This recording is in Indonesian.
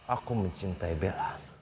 aku mencintai bella